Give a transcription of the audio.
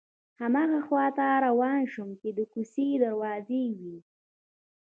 هماغه خواته روان شوم چې د کوڅې دروازې وې.